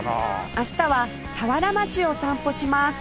明日は田原町を散歩します